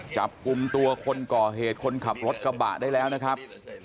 จับกลุ่มตัวคนก่อเหตุคนขับรถกระบะได้แล้วนะครับ